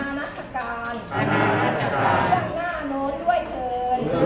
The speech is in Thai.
อันนานัทกาลตั้งหน้าน้วนด้วยเธอ